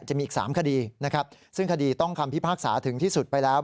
จะมีอีก๓คดีนะครับซึ่งคดีต้องคำพิพากษาถึงที่สุดไปแล้ว